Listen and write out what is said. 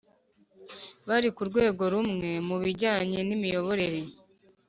Bari ku rwego rumwe mubijyanye n’imiyoborere